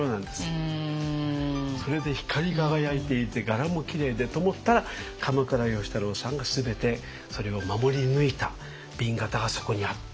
それで光り輝いていて柄もきれいでと思ったら鎌倉芳太郎さんが全てそれを守り抜いた紅型がそこにあった。